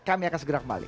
kami akan segera kembali